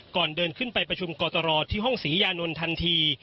ก่อนเดินขึ้นไปประชุมกตรที่ห้องศรียานนท์ทันที